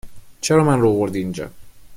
چرا من رو آوردی اینجا؟